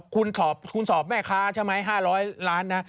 คุณสอบแม่ค้าใช่ไหม๕๐๐ล้านนะ